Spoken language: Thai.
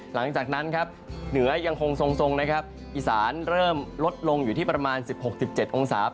หลังจากนั้นครับเหนือยังคงทรงนะครับอีสานเริ่มลดลงอยู่ที่ประมาณ๑๖๑๗องศา